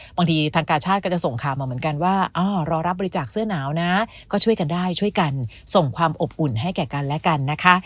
บางทีทางกาชาติก็จะส่งข่าวมาเหมือนกันว่ารอรับบริจาคเสื้อหนาวนะก็ช่วยกันได้ช่วยกันส่งความอบอุ่นให้แก่กันและกันนะคะ